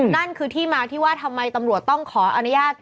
นั่นคือที่มาที่ว่าทำไมตำรวจต้องขออนุญาต